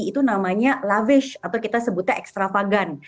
itu namanya lavish atau kita sebutnya extravagant